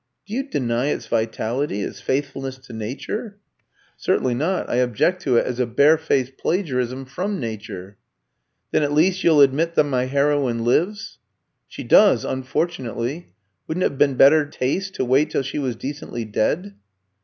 "Do you deny its vitality its faithfulness to nature?" "Certainly not. I object to it as a barefaced plagiarism from nature." "Then at least you'll admit that my heroine lives?" "She does, unfortunately. Wouldn't it have been better taste to wait till she was decently dead?"